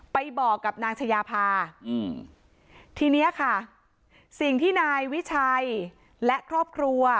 ไปบอกกับนางชายาภาอืมทีเนี้ยค่ะสิ่งที่นายวิชัยและครอบครัว